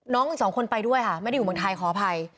อีกสองคนไปด้วยค่ะไม่ได้อยู่เมืองไทยขออภัย